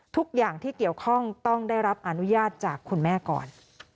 ทุกอย่างที่เกี่ยวข้องต้องได้รับอนุญาตจากคุณแม่ก่อน